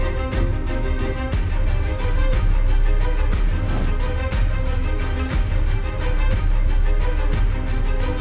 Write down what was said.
เหลือครึ่งตัว